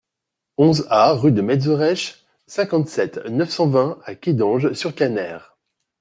onze A rue de Metzeresche, cinquante-sept, neuf cent vingt à Kédange-sur-Canner